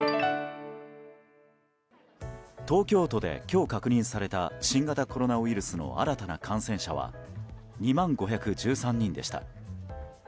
東京都で今日、確認された新型コロナウイルスの新たな感染者は２万５１３人でした。